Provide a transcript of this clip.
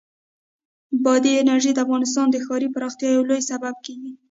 بادي انرژي د افغانستان د ښاري پراختیا یو لوی سبب کېږي.